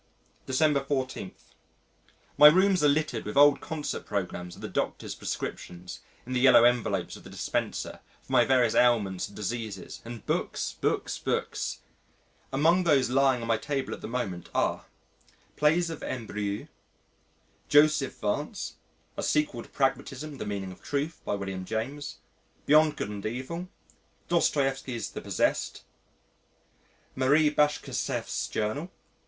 December 14. My rooms are littered with old concert programmes and the Doctor's prescriptions (in the yellow envelopes of the dispenser) for my various ailments and diseases, and books, books, books. Among the latter those lying on my table at this moment are Plays of M. Brieux. Joseph Vance. The Sequel to Pragmatism: The Meaning of Truth, by Wiliam James. Beyond Good and Evil. Dostoievsky's The Possessed. Marie Bashkirtseff's _Journal.